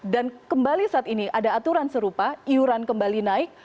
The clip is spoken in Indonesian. dan kembali saat ini ada aturan serupa iuran kembali naik